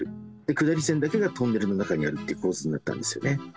下り線だけがトンネルの中にあるっていう構図になったんですよね。